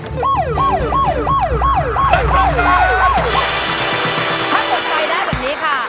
ถ้าปลดไฟได้แบบนี้ค่ะ